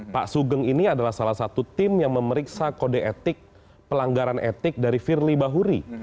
pak sugeng ini adalah salah satu tim yang memeriksa kode etik pelanggaran etik dari firly bahuri